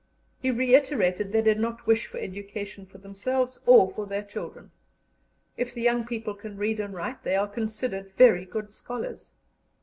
He reiterated they did not wish for education for themselves or for their children. If the young people can read and write, they are considered very good scholars.